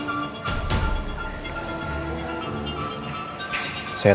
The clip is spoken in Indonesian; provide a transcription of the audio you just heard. aku mau datang ke rumah